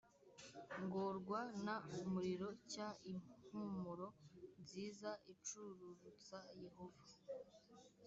ngorwa n umuriro cy impumuro nziza icururutsa yehova